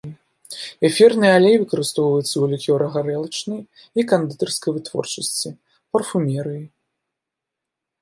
Эфірны алей выкарыстоўваецца у лікёра-гарэлачнай і кандытарскай вытворчасці, парфумерыі.